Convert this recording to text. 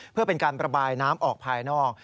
เพื่อเป็นการประบายน้ำออกภายนอก